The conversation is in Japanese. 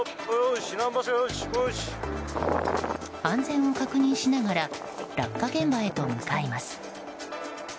安全を確認しながら落下現場へと向かいます。